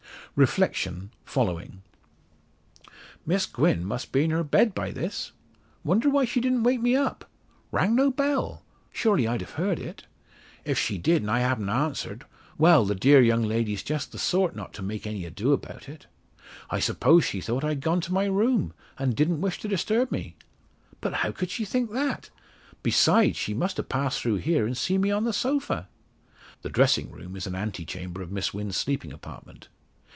Reflection following: "Miss Gwen must be in her bed by this! Wonder why she didn't wake me up? Rang no bell? Surely I'd have heard it? If she did, and I haven't answered Well; the dear young lady's just the sort not to make any ado about it. I suppose she thought I'd gone to my room, and didn't wish to disturb me? But how could she think that? Besides, she must have passed through here, and seen me on the sofa!" The dressing room is an ante chamber of Miss Wynn's sleeping apartment.